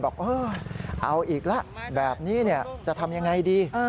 บอกเอาอีกละแบบนี้เนี่ยจะทำอย่างไรดี